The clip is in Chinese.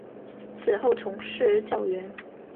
此后从事教员。